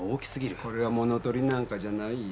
これは物盗りなんかじゃないよ。